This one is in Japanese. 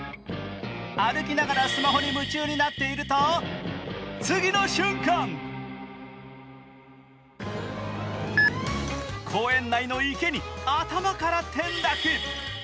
歩きながらスマホに夢中になっていると、次の瞬間、公園内の池に頭から転落。